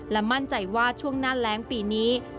และมั่นใจว่าช่วงหน้าแรงปีนี้